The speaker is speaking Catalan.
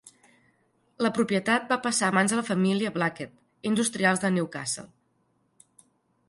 La propietat va passar a mans de la família Blackett, industrials de Newcastle.